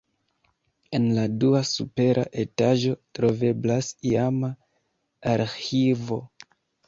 En la dua supera etaĝo troveblas iama arĥivo.